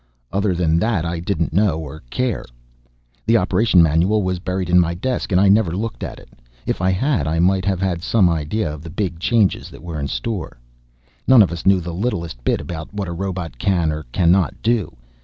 Other than that I didn't know or care. The operation manual was buried in my desk and I never looked at it. If I had, I might have had some idea of the big changes that were in store. None of us knew the littlest bit about what a robot can or cannot do.